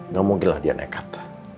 gak mungkin lah dia nekat